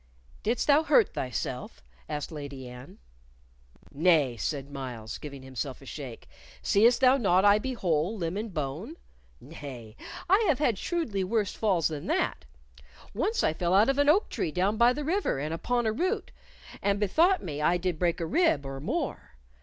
"Didst thou hurt thyself?" asked Lady Anne. "Nay," said Myles, giving himself a shake; "seest thou not I be whole, limb and bone? Nay, I have had shrewdly worse falls than that. Once I fell out of an oak tree down by the river and upon a root, and bethought me I did break a rib or more.